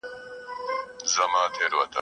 نسکور وېشي جامونه نن مغان په باور نه دی !.